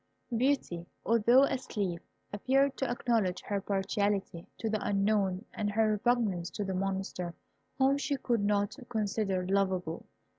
Beauty, although asleep, appeared to acknowledge her partiality to the Unknown and her repugnance to the Monster, whom she could not consider loveable.